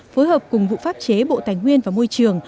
phối hợp cùng vụ pháp chế bộ tài nguyên và môi trường